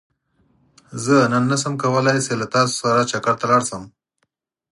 زه نن نه شم کولاي چې له تاسو سره چکرته لاړ شم